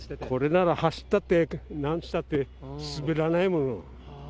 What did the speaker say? これなら走ったって、何したって、滑らないもの。